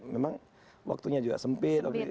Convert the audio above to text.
memang waktunya juga sempit